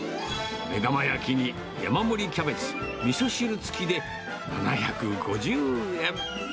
目玉焼きに、山盛りキャベツ、みそ汁付きで７５０円。